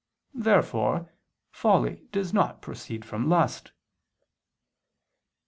Therefore folly does not proceed from lust.